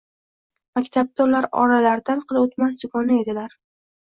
Maktabda ular oralaridan qil oʻtmas dugona edilar.